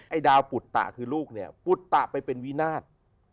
ดาวปุตตะคือลูกเนี่ยปุตตะไปเป็นวินาท